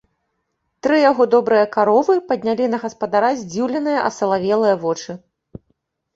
Тры яго добрыя каровы паднялі на гаспадара здзіўленыя асалавелыя вочы.